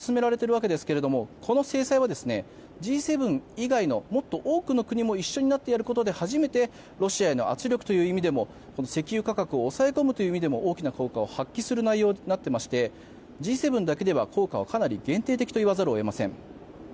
この取引価格に上限を設けようという話こちら検討が進められていますがこの制裁はＧ７以外のもっと多くの国も一緒にやることで初めてロシアへの圧力という意味でも石油価格を抑え込むという意味でも大きな効果を発揮する内容になっていましてＧ７だけでは効果はかなり限定的といわざるを得ません。